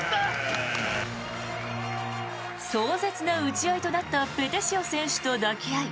壮絶な打ち合いとなったペテシオ選手と抱き合い